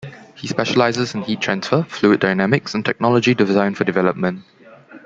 He specializes in heat transfer, fluid dynamics, and technology design for development.